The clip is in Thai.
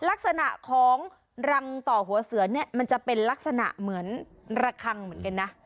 ลักษณะของรังต่อหัวเสือเนี่ยมันจะเป็นลักษณะเหมือนระคังเหมือนกันนะ